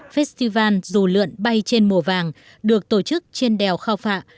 festival dù lượn bay trên mùa vàng được tổ chức trên đèo khao phạ